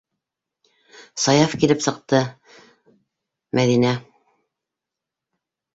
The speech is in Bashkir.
Саяф килеп сыҡты, Мәҙинә.